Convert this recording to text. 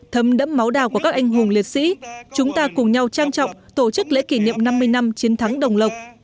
thấm đẫm máu đào của các anh hùng liệt sĩ chúng ta cùng nhau trang trọng tổ chức lễ kỷ niệm năm mươi năm chiến thắng đồng lộc